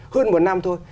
hơn một năm thôi